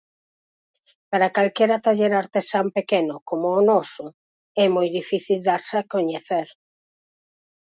Para calquera taller artesán pequeno, como o noso, é moi difícil darse a coñecer.